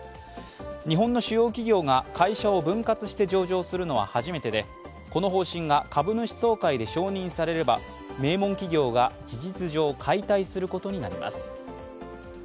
日本の主要企業が会社を分割して上場するのは初めてでこの方針が株主総会で承認されれば名門企業が事実上、解体することになります。